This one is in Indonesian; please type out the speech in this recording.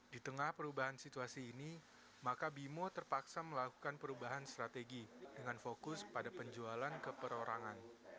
di tengah perubahan situasi ini maka bimo terpaksa melakukan perubahan strategi dengan fokus pada penjualan keperorangan